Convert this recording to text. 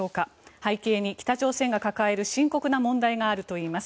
背景に北朝鮮が抱える深刻な問題があるといいます。